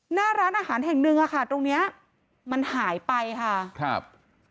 หน้าร้านอาหารแห่งหนึ่งอ่ะค่ะตรงเนี้ยมันหายไปค่ะครับ